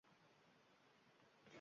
«Qizlar daftariga